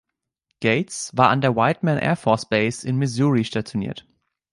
Gates war an der Whiteman Air Force Base in Missouri stationiert.